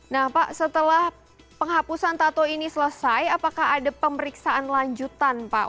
nah pak setelah penghapusan tato ini selesai apakah ada pemeriksaan lanjutan pak